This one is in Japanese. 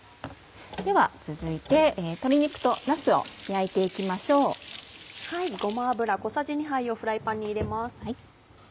では続いて鶏肉となすを焼いて行きましょう。をフライパンに入れます。